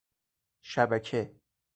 شبکه